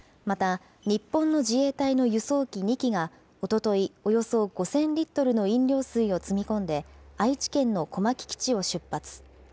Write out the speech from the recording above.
また、日本の自衛隊の輸送機２機が、おととい、およそ５０００リットルの飲料水を積み込んで、愛知県の小牧基地を出発。